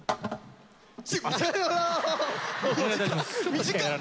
短っ！